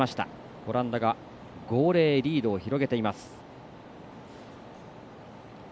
オランダが５−０でリードを広げています。